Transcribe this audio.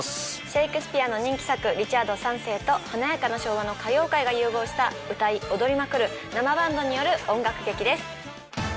シェイクスピアの人気作『リチャード三世』と華やかな昭和の歌謡界が融合した歌い踊りまくる生バンドによる音楽劇です。